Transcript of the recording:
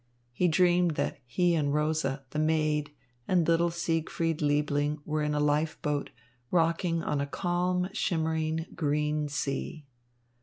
He dreamed that he and Rosa, the maid, and little Siegfried Liebling were in a life boat, rocking on a calm, shimmering green sea.